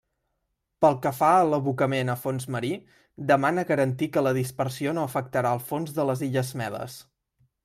Pel que fa a l'abocament a fons marí, demana garantir que la dispersió no afectarà el fons de les illes Medes.